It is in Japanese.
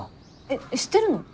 えっ知ってるの？